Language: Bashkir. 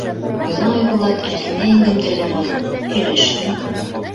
Бына Айбулат Рәхимә еңгәмдәргә барһын, һөйләшһен.